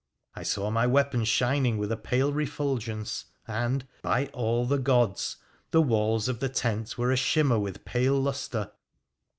I saw my weapons shining with a pale refulgence, and — by all the gods !— the walls of the tent were a shimmer with pale lustre